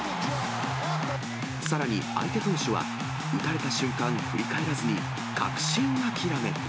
さらに相手投手は、打たれた瞬間、振り返らずに、確信諦め。